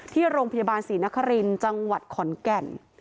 ที่โรงพยาบาลศรีนครินทร์จังหวัดขอนแก่น